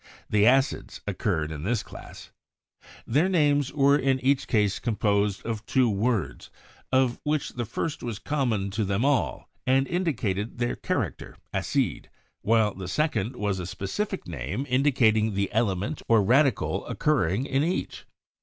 The acids occurred in this class. Their 166 CHEMISTRY names were in each case composed of two words, of which the first was common to them all and indicated their acid character (acide), while the second was a spe cific name indicating the element or radical occurring in each.